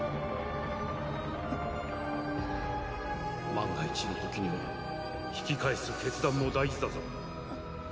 「万が一のときには引き返す決断も大事だぞ」